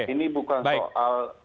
ini bukan soal